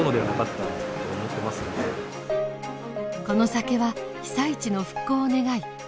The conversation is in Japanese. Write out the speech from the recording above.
この酒は被災地の復興を願い